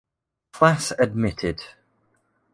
class admitted.